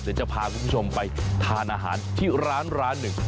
เดี๋ยวจะพาคุณผู้ชมไปทานอาหารที่ร้านร้านหนึ่ง